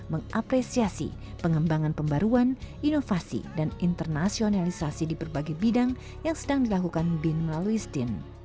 mengapresiasi pengembangan pembaruan inovasi dan internasionalisasi di berbagai bidang yang sedang dilakukan bin melalui stin